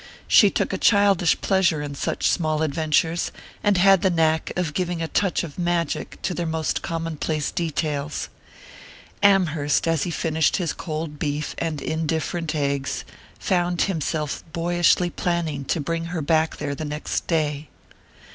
She took a childish pleasure in such small adventures, and had the knack of giving a touch of magic to their most commonplace details. Amherst, as he finished his cold beef and indifferent eggs, found himself boyishly planning to bring her back there the next day....